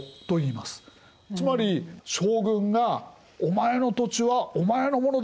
つまり将軍が「お前の土地はお前のものだ。